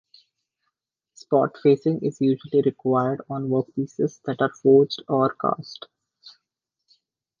Spotfacing is usually required on workpieces that are forged or cast.